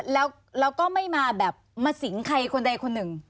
แล้วก็ไม่มาแบบมาสิงใครคนใดคนหนึ่ง